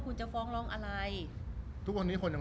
รูปนั้นผมก็เป็นคนถ่ายเองเคลียร์กับเรา